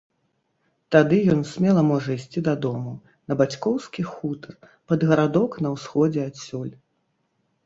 Тады ён смела можа ісці дадому, на бацькоўскі хутар, пад гарадок на ўсходзе адсюль.